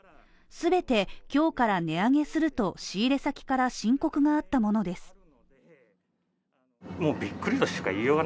全て今日から値上げすると仕入れ先から申告があったものです。